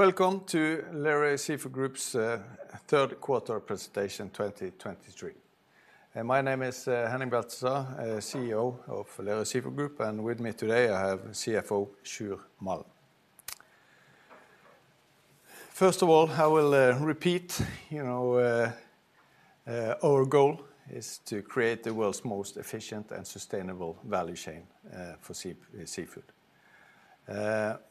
Welcome to Lerøy Seafood Group's Third Quarter Presentation 2023. My name is Henning Beltestad, CEO of Lerøy Seafood Group, and with me today, I have CFO, Sjur Malm. First of all, I will repeat, you know, our goal is to create the world's most efficient and sustainable value chain for seafood.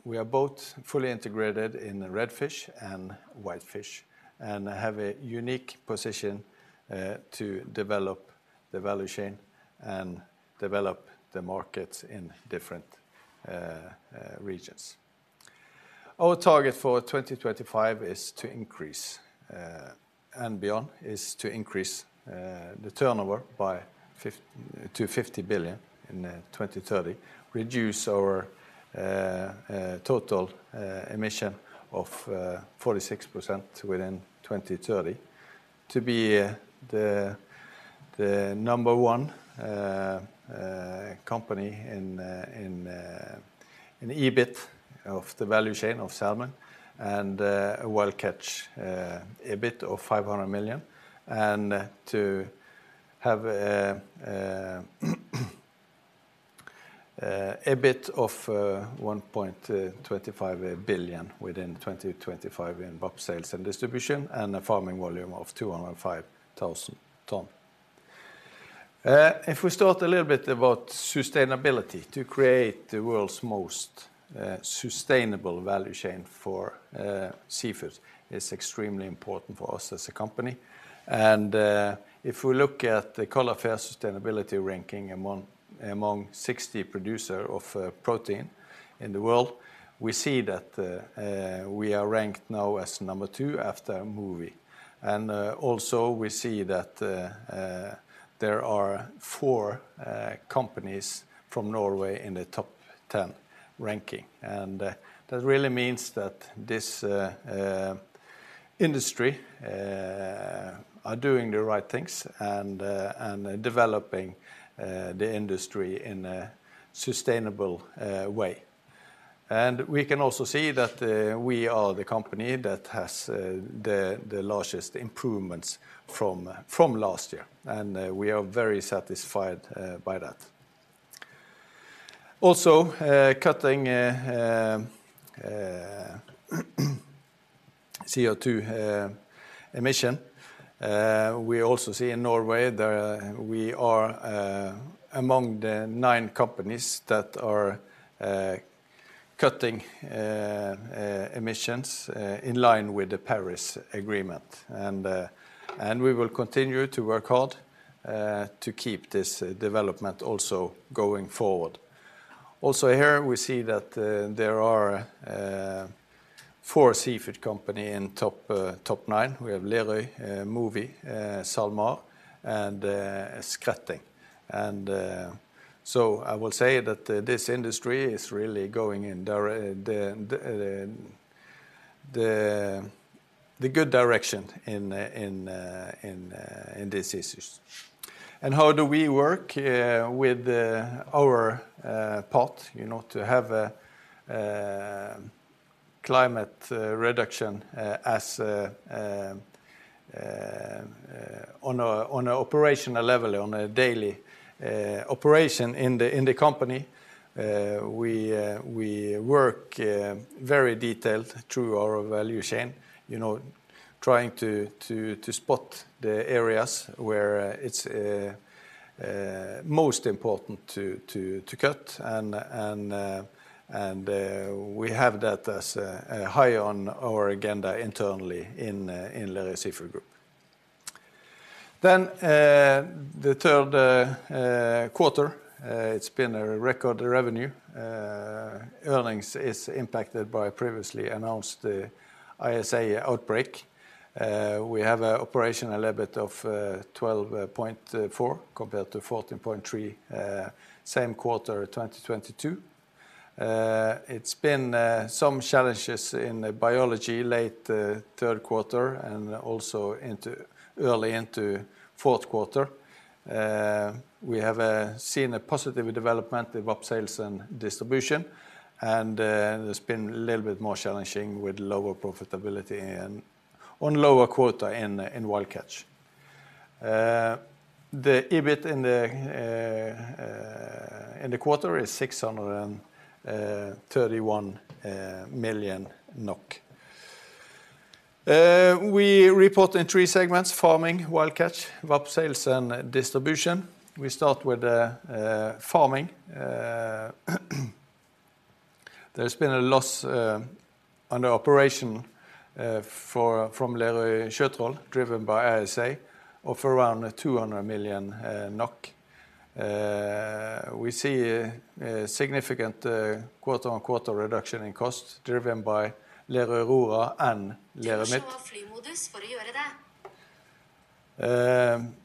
We are both fully integrated in red fish and whitefish, and have a unique position to develop the value chain and develop the markets in different regions. Our target for 2025 is to increase, and beyond, is to increase, the turnover by to 50 billion in 2030, reduce our total emission of 46% within 2030, to be the number one company in EBIT of the value chain of salmon, and a wild catch EBIT of 500 million, and to have a EBIT of 1.25 billion within 2025 in bulk sales and distribution, and a farming volume of 205,000 ton. If we start a little bit about sustainability, to create the world's most sustainable value chain for seafood is extremely important for us as a company. If we look at the Coller FAIRR Sustainability Ranking among 60 producer of protein in the world, we see that we are ranked now as number two after Mowi. Also, we see that there are four companies from Norway in the top 10 ranking. That really means that this industry are doing the right things and developing the industry in a sustainable way. We can also see that we are the company that has the largest improvements from last year, and we are very satisfied by that. Also, cutting CO2 emission, we also see in Norway that we are among the nine companies that are cutting emissions in line with the Paris Agreement. And we will continue to work hard to keep this development also going forward. Also here, we see that there are four seafood company in top nine. We have Lerøy, Mowi, SalMar, and Skretting. And so I will say that this industry is really going in the good direction in these issues. How do we work with our part, you know, to have a climate reduction as on a operational level, on a daily operation in the company? We work very detailed through our value chain, you know, trying to spot the areas where it's most important to cut, and we have that as high on our agenda internally in Lerøy Seafood Group. The third quarter it's been a record revenue. Earnings is impacted by previously announced the ISA outbreak. We have a operational EBIT of 12.4, compared to 14.3 same quarter, 2022. It's been some challenges in the biology late third quarter and also into early fourth quarter. We have seen a positive development of VAP sales and distribution, and it's been a little bit more challenging with lower profitability and lower quarter in wild catch. The EBIT in the quarter is 631 million NOK. We report in three segments: Farming, Wild Catch, VAP Sales and Distribution. We start with the Farming. There's been a loss on the operation from Lerøy Sjøtroll, driven by ISA, of around 200 million NOK. We see a significant quarter-on-quarter reduction in cost, driven by Lerøy Aurora and Lerøy Midt.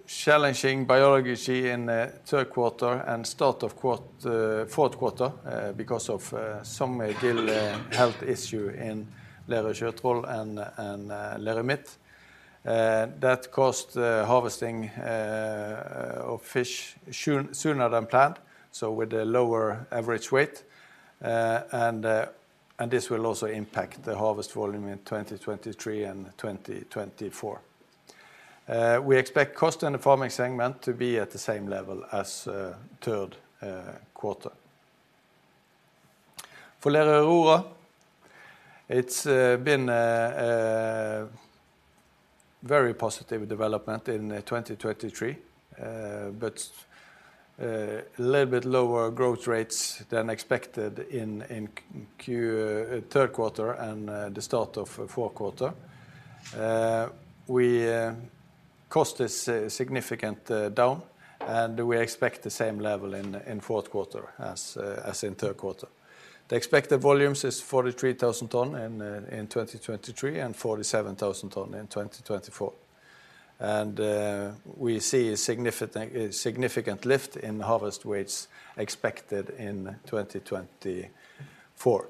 Challenging biology in third quarter and start of fourth quarter because of some gill health issue in Lerøy Sjøtroll and Lerøy Midt. That cost the harvesting of fish sooner than planned, so with a lower average weight. And this will also impact the harvest volume in 2023 and 2024. We expect cost in the farming segment to be at the same level as third quarter. For Lerøy Aurora, it's been a very positive development in 2023, but a little bit lower growth rates than expected in third quarter and the start of fourth quarter. We cost is significant down, and we expect the same level in fourth quarter as in third quarter. The expected volumes is 43,000 tons in 2023, and 47,000 tons in 2024. We see a significant, significant lift in the harvest weights expected in 2024.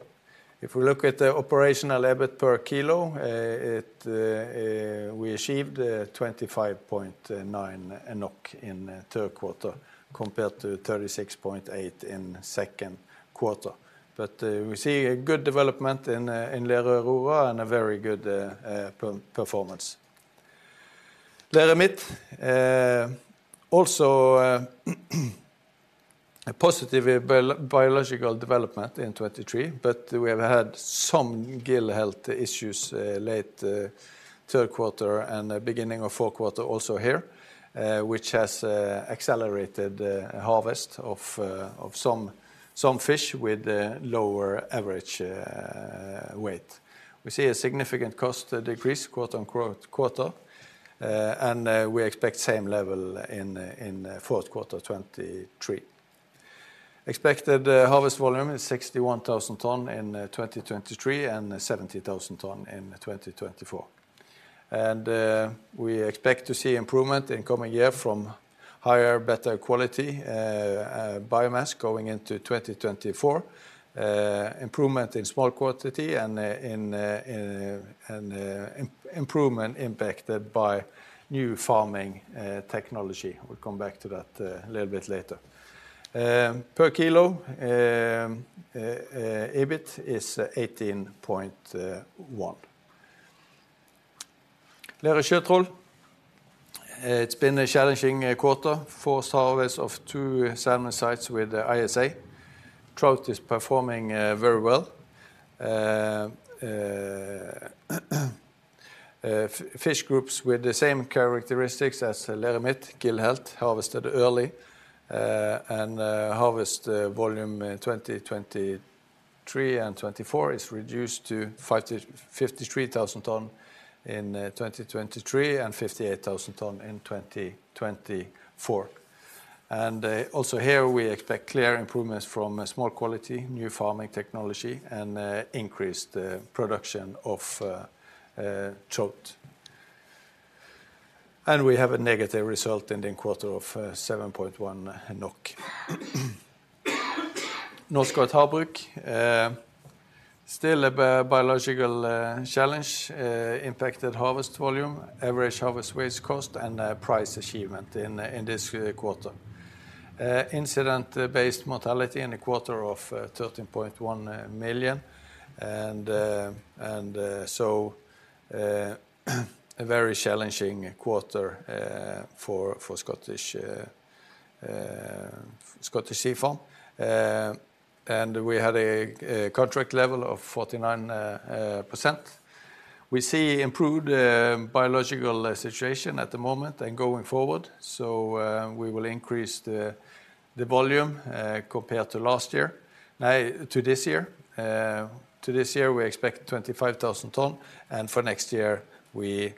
If we look at the operational EBIT per kilo, it we achieved 25.9 NOK in third quarter, compared to 36.8 in second quarter. But we see a good development in Lerøy Aurora and a very good performance. Lerøy Midt also a positive biological development in 2023, but we have had some gill health issues late third quarter and beginning of fourth quarter also here, which has accelerated harvest of some fish with a lower average weight. We see a significant cost decrease quarter-on-quarter, and we expect same level in fourth quarter 2023. Expected harvest volume is 61,000 ton in 2023, and 70,000 ton in 2024. And we expect to see improvement in coming year from higher, better quality biomass going into 2024, improvement in smolt quality and improvement impacted by new farming technology. We'll come back to that a little bit later. Per kilo, EBIT is 18.1. Lerøy Sjøtroll, it's been a challenging quarter. Forced harvest of two salmon sites with ISA. Trout is performing very well. Fish groups with the same characteristics as Lerøy Midt gill health harvested early, and harvest volume in 2023 and 2024 is reduced to 53 thousand tons in 2023, and 58,000 tons in 2024. Also here, we expect clear improvements from a smolt quality, new farming technology, and increased production of trout. We have a negative result in the quarter of 7.1 NOK. Norskott Havbruk still a biological challenge impacted harvest volume, average harvest weight cost, and price achievement in this quarter. Incident-based mortality in a quarter of 13.1 million, and so a very challenging quarter for Scottish Sea Farms. We had a contract level of 49%. We see improved biological situation at the moment and going forward, so we will increase the volume compared to last year. To this year, we expect 25,000 tons, and for next year, we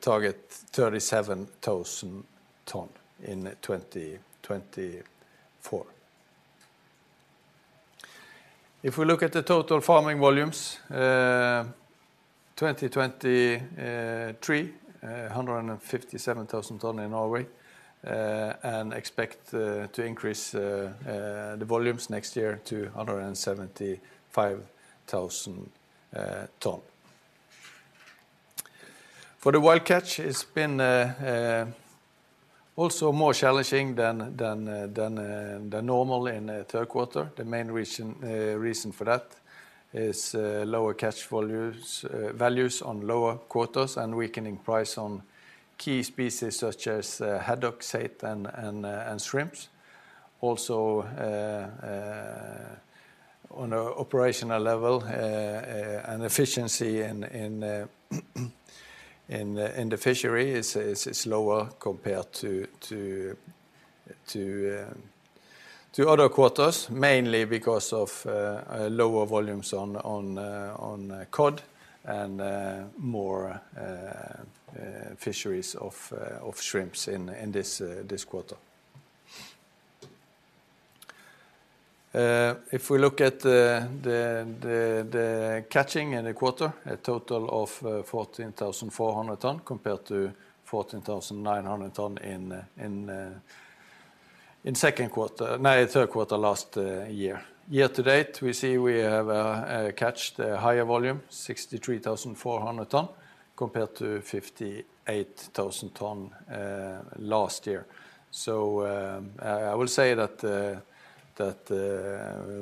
target 37,000 tons in 2024. If we look at the total farming volumes, 2023, 357,000 tons in Norway, and expect to increase the volumes next year to 175,000 tons. For the wild catch, it's been also more challenging than normal in third quarter. The main reason for that is lower catch volumes, values on lower quotas and weakening price on key species such as haddock, saithe, and shrimps. Also, on an operational level, and efficiency in the fishery is lower compared to other quarters, mainly because of lower volumes on cod and more fisheries of shrimps in this quarter. If we look at the catching in the quarter, a total of 14,400 tons compared to 14,900 tons in second quarter, May third quarter last year. Year to date, we see we have caught a higher volume, 63,400 tons, compared to 58,000 tons last year. So, I will say that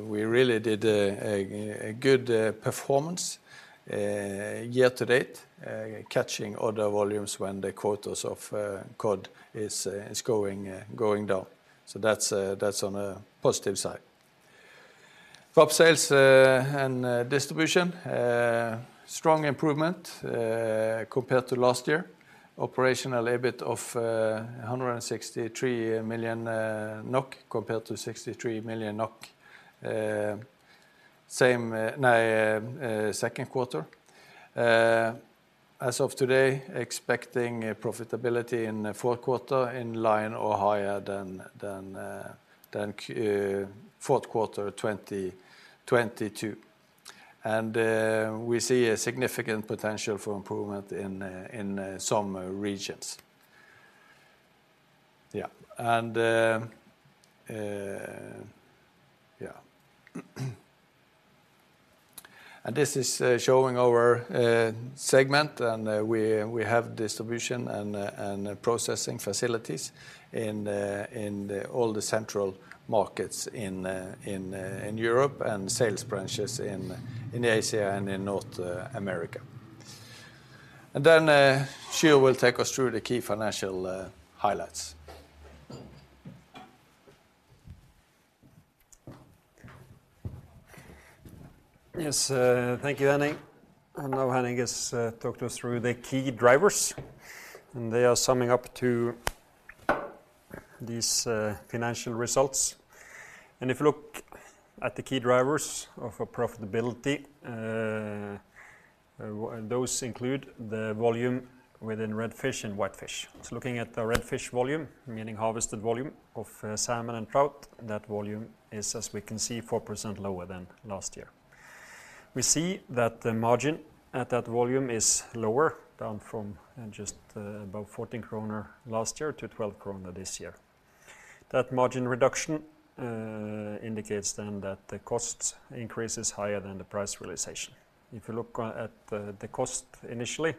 we really did a good performance year to date, catching other volumes when the quotas of cod is going down. So that's on a positive side. VAP sales and distribution strong improvement compared to last year. Operational EBIT of 163 million NOK compared to 63 million NOK. Same, no, second quarter. As of today, expecting a profitability in the fourth quarter in line or higher than fourth quarter 2022. And, we see a significant potential for improvement in some regions. Yeah, and yeah. And this is showing our segment, and we have distribution and processing facilities in all the central markets in Europe and sales branches in Asia and in North America. And then, Sjur will take us through the key financial highlights. Yes, thank you, Henning. Now Henning has talked us through the key drivers, and they are summing up to these financial results. If you look at the key drivers of a profitability, those include the volume within red fish and white fish. Looking at the red fish volume, meaning harvested volume of salmon and trout, that volume is, as we can see, 4% lower than last year. We see that the margin at that volume is lower, down from just about 14 kroner last year to 12 kroner this year. That margin reduction indicates then that the costs increase is higher than the price realization. If you look at the cost initially,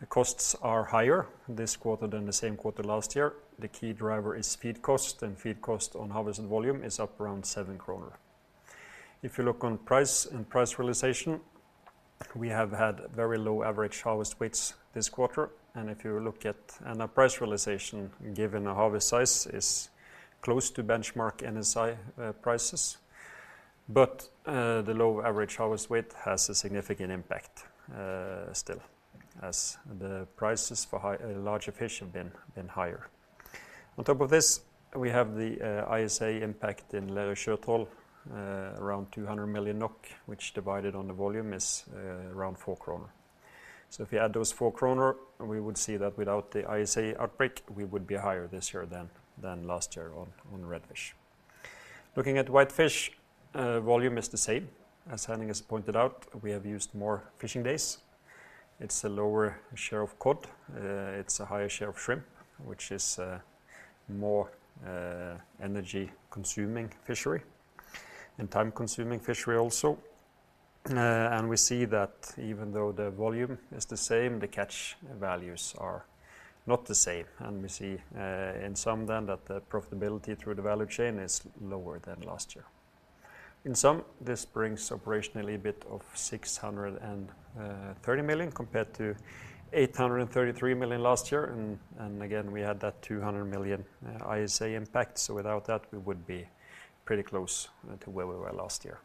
the costs are higher this quarter than the same quarter last year. The key driver is feed cost, and feed cost on harvested volume is up around 7 kroner. If you look on price and price realization, we have had very low average harvest weights this quarter. And our price realization, given a harvest size, is close to benchmark NSI prices. But the low average harvest weight has a significant impact still, as the prices for larger fish have been higher. On top of this, we have the ISA impact in Lerøy Sjøtroll around 200 million NOK, which divided on the volume is around 4 kroner. So if you add those 4 kroner, we would see that without the ISA outbreak, we would be higher this year than last year on red fish. Looking at white fish, volume is the same. As Henning has pointed out, we have used more fishing days. It's a lower share of cod, it's a higher share of shrimp, which is more energy-consuming fishery and time-consuming fishery also. And we see that even though the volume is the same, the catch values are not the same. And we see in some then, that the profitability through the value chain is lower than last year. In sum, this brings operationally a bit of 630 million compared to 833 million last year, and again, we had that 200 million ISA impact. So without that, we would be pretty close to where we were last year.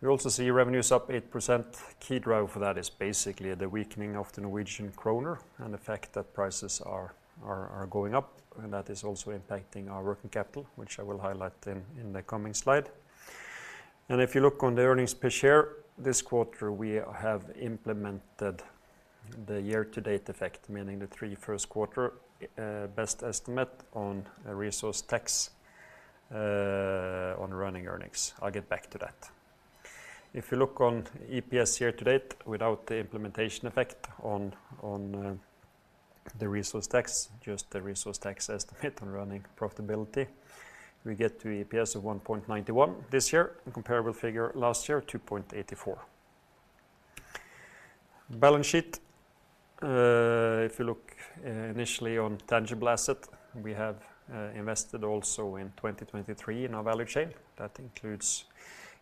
We also see revenues up 8%. Key driver for that is basically the weakening of the Norwegian kroner and the fact that prices are going up, and that is also impacting our working capital, which I will highlight in the coming slide. If you look on the earnings per share, this quarter, we have implemented the year-to-date effect, meaning the three first quarter best estimate on resource tax on running earnings. I'll get back to that. If you look on EPS year-to-date, without the implementation effect on the resource tax, just the resource tax estimate on running profitability, we get to EPS of 1.91 this year, and comparable figure last year, 2.84. Balance sheet. If you look initially on tangible asset, we have invested also in 2023 in our value chain. That includes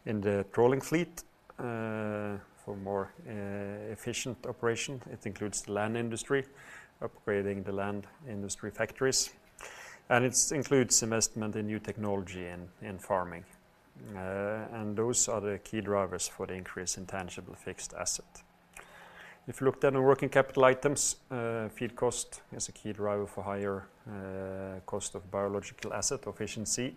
in the trawling fleet, for more, efficient operation. It includes the land industry, upgrading the land industry factories, and it's includes investment in new technology in, in farming. And those are the key drivers for the increase in tangible fixed asset. If you look down on working capital items, feed cost is a key driver for higher, cost of biological asset efficiency.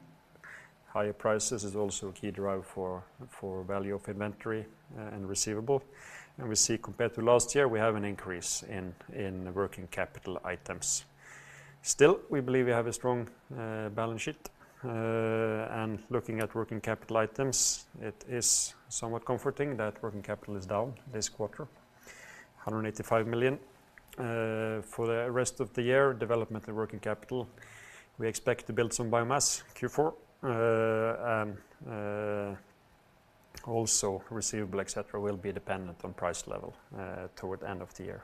Higher prices is also a key driver for, for value of inventory, and receivable. And we see compared to last year, we have an increase in, in working capital items. Still, we believe we have a strong, balance sheet, and looking at working capital items, it is somewhat comforting that working capital is down this quarter, 185 million. For the rest of the year, development and working capital, we expect to build some biomass, Q4. Also receivable, et cetera, will be dependent on price level, toward end of the year.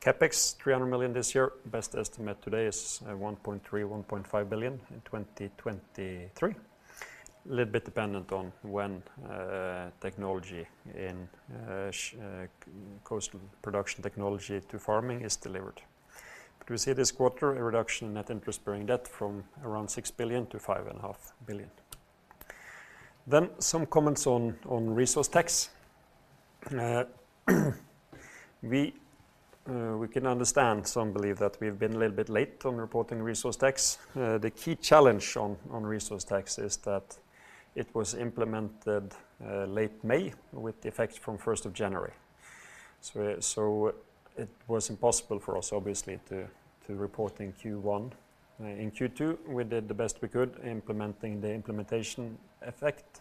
CapEx, 300 million this year. Best estimate today is 1.3 billion-1.5 billion in 2023, little bit dependent on when technology in coastal production technology to farming is delivered. But we see this quarter a reduction in net interest-bearing debt from around 6 billion-5.5 billion. Then some comments on resource tax. We can understand some believe that we've been a little bit late on reporting resource tax. The key challenge on resource tax is that it was implemented late May, with effect from first of January. So it was impossible for us, obviously, to report in Q1. In Q2, we did the best we could, implementing the implementation effect.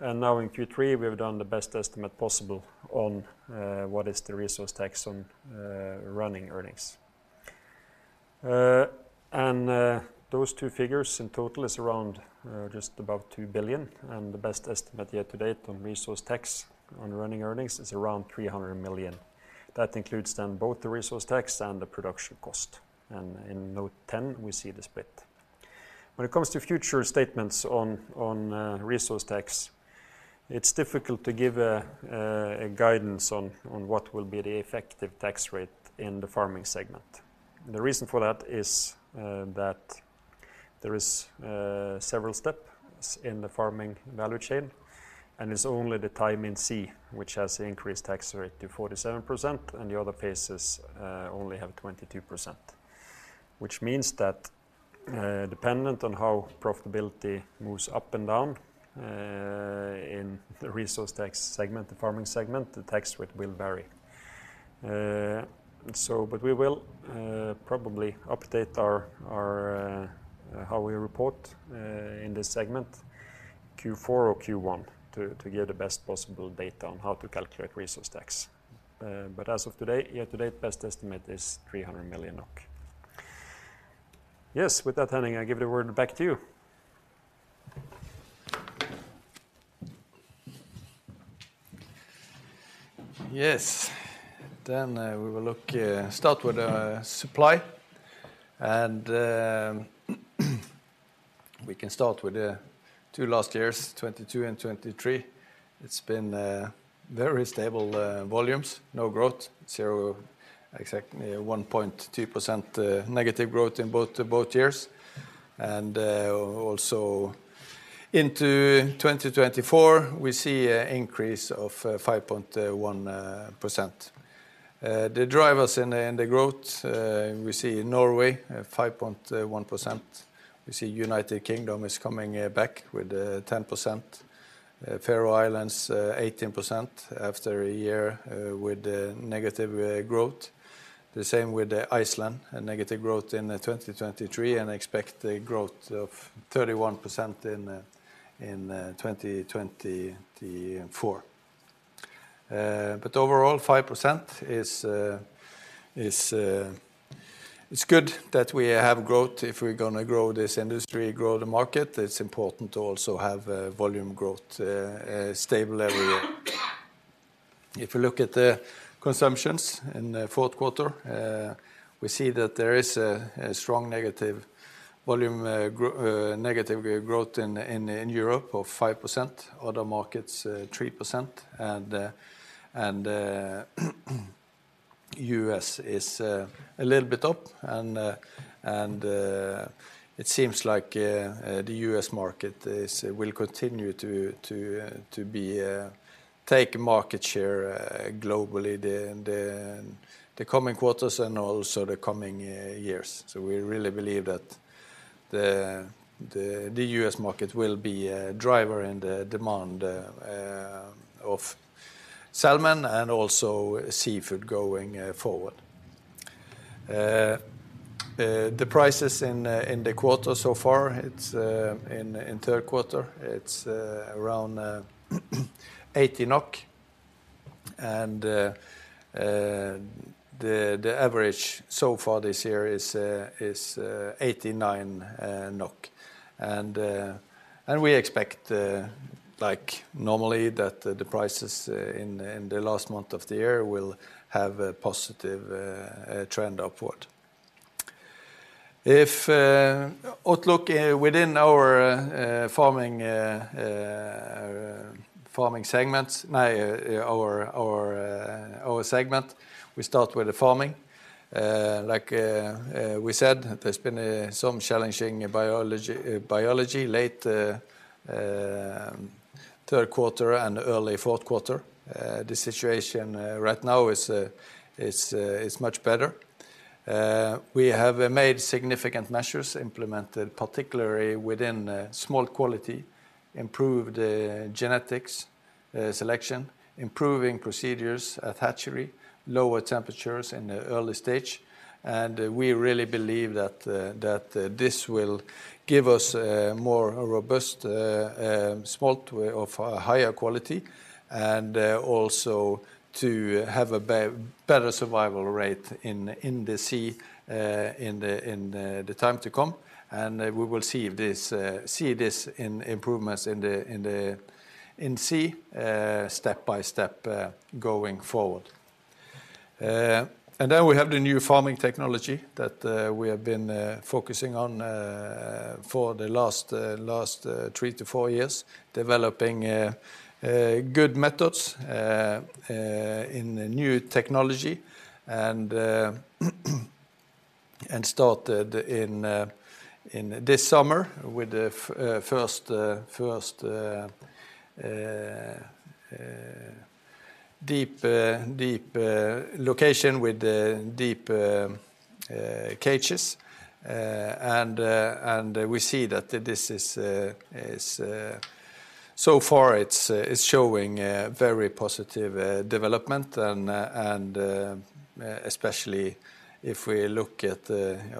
And now in Q3, we have done the best estimate possible on what is the resource tax on running earnings. And those two figures in total is around just above 2 billion, and the best estimate yet to date on resource tax on running earnings is around 300 million. That includes then both the resource tax and the production cost, and in note 10, we see the split. When it comes to future statements on resource tax, it's difficult to give a guidance on what will be the effective tax rate in the farming segment. The reason for that is that there is several steps in the farming value chain, and it's only the time in sea which has increased tax rate to 47%, and the other phases only have 22%. Which means that dependent on how profitability moves up and down in the resource tax segment, the farming segment, the tax rate will vary. So but we will probably update our how we report in this segment, Q4 or Q1, to give the best possible data on how to calculate resource tax. But as of today, year to date, best estimate is 300 million NOK. Yes, with that, Henning, I give the word back to you. Yes. Then we will start with supply. We can start with the two last years, 2022 and 2023. It's been very stable volumes, no growth, zero. Exactly 1.2% negative growth in both years. And also into 2024, we see a increase of 5.1%. The drivers in the growth, we see Norway 5.1%. We see United Kingdom is coming back with 10%. Faroe Islands 18% after a year with negative growth. The same with Iceland, a negative growth in 2023, and expect a growth of 31% in 2024. But overall, 5% is, it's good that we have growth. If we're gonna grow this industry, grow the market, it's important to also have volume growth stable every year. If you look at the consumptions in the fourth quarter, we see that there is a strong negative volume growth in Europe of 5%, other markets 3%, and U.S. is a little bit up, and it seems like the U.S. market will continue to take market share globally in the coming quarters and also the coming years. So we really believe that the U.S. market will be a driver in the demand of salmon and also seafood going forward. The prices in the quarter so far. It's in third quarter. It's around 80 NOK, and the average so far this year is 89 NOK. We expect, like normally, that the prices in the last month of the year will have a positive trend upward. Our outlook within our farming segments. No, our segment. We start with the farming. Like we said, there's been some challenging biology late third quarter and early fourth quarter. The situation right now is much better. We have made significant measures implemented, particularly within smolt quality, improved genetics selection, improving procedures at hatchery, lower temperatures in the early stage, and we really believe that this will give us a more robust smolt of a higher quality, and also to have a better survival rate in the sea in the time to come, and we will see this in improvements in the sea step by step going forward. And then we have the new farming technology that we have been focusing on for the last three to four years, developing good methods in the new technology. We started this summer with the first deep location with the deep cages. And we see that this is so far it's showing a very positive development and especially if we look at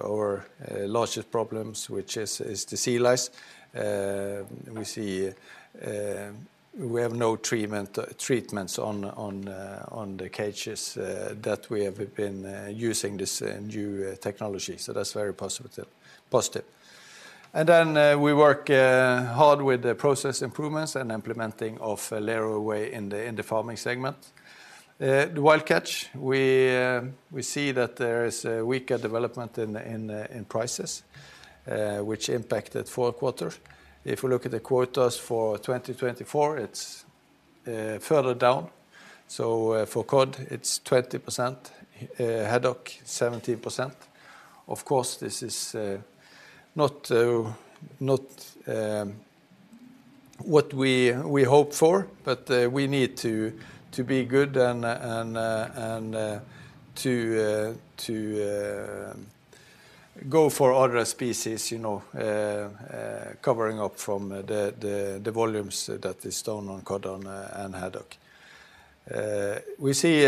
our largest problems, which is the sea lice. We see we have no treatments on the cages that we have been using this new technology, so that's very positive. And then we work hard with the process improvements and implementing of Lerøy Way in the farming segment. The wild catch, we see that there is a weaker development in prices, which impacted fourth quarter. If we look at the quarters for 2024, it's further down. So, for cod, it's 20%, haddock, 17%. Of course, this is not what we hope for, but we need to be good and to go for other species, you know, covering up from the volumes that is down on cod and haddock. We see,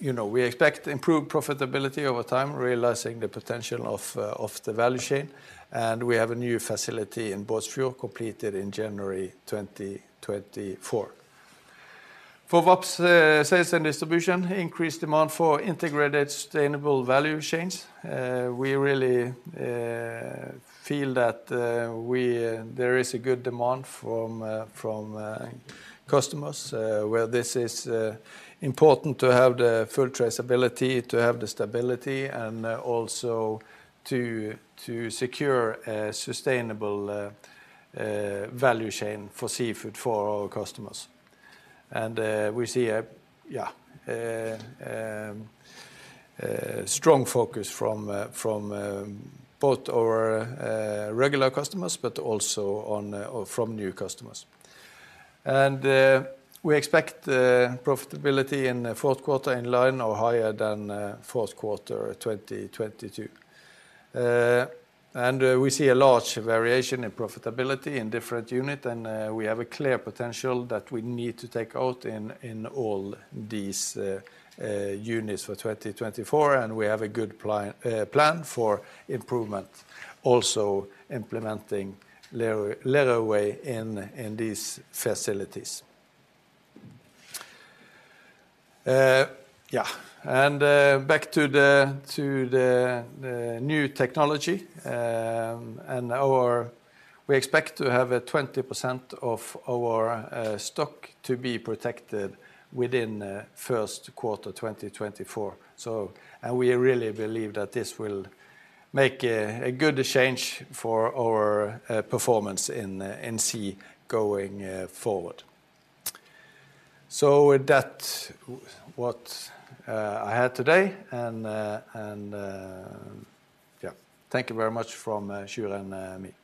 you know, we expect improved profitability over time, realizing the potential of the value chain, and we have a new facility in Båtsfjord, completed in January 2024. For VAP sales and distribution, increased demand for integrated, sustainable value chains. We really feel that there is a good demand from customers where this is important to have the full traceability, to have the stability, and also to secure a sustainable value chain for seafood for our customers. And we see a strong focus from both our regular customers, but also on or from new customers. And we expect profitability in the fourth quarter in line or higher than fourth quarter 2022. We see a large variation in profitability in different unit, and we have a clear potential that we need to take out in all these units for 2024, and we have a good plan for improvement, also implementing Lerøy Way in these facilities. Yeah, and back to the new technology and our... We expect to have 20% of our stock to be protected within first quarter 2024. So and we really believe that this will make a good change for our performance in seagoing forward. So with that, what I had today, and yeah. Thank you very much from Sjur and me.